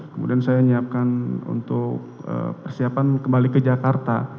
kemudian saya menyiapkan untuk persiapan kembali ke jakarta